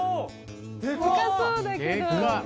高そうだけど。